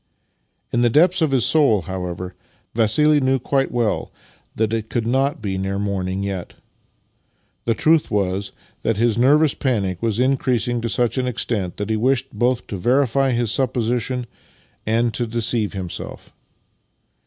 In the depths of his soul, however, Vassili knew quite well that it could not be near morning yet. The truth was that his nervous panic was increasing to such an extent that he wished both to verify his supposition and to deceive himself.